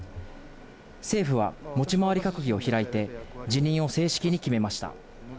政府は持ち回り閣議を開いて、辞任を正式に決めました。